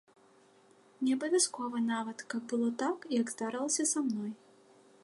Не абавязкова нават, каб было так, як здарылася са мной.